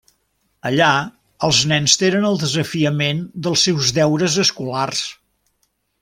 Allà, els nens tenen el desafiament dels seus deures escolars.